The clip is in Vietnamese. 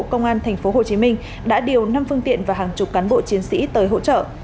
công an tp hcm đã điều năm phương tiện và hàng chục cán bộ chiến sĩ tới hỗ trợ